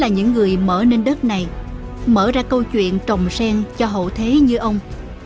những người mở nên đất này mở ra câu chuyện trồng sen cho hậu thế như ông